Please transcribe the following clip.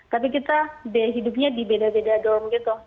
tapi kita hidupnya di beda beda dong gitu